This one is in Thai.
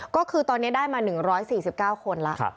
ก็คือตอนนี้ได้มา๑๔๙คนแล้ว